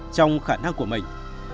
trong khả năng của mình